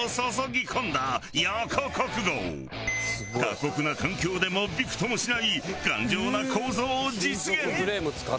過酷な環境でもびくともしない頑丈な構造を実現。